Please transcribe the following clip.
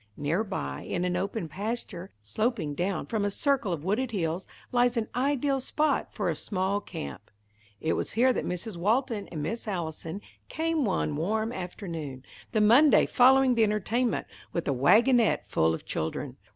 Near by, in an open pasture, sloping down from a circle of wooded hills, lies an ideal spot for a small camp. It was here that Mrs. Walton and Miss Allison came one warm afternoon, the Monday following the entertainment, with a wagonette full of children.